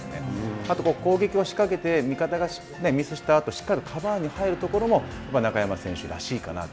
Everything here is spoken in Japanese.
あと、攻撃を仕掛けて味方がミスしたあとしっかり変えるところもやっぱり中山選手らしいかなと。